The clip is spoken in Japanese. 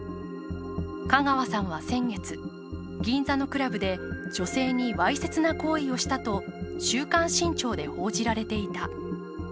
香川さんは先月、銀座のクラブで女性にわいせつな行為をしたと「週刊新潮」で報じられていた。